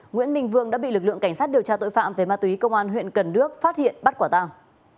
nguyễn minh vương đã bị lực lượng cảnh sát điều tra tội phạm về ma túy công an huyện cần đước phát hiện bắt quả tàng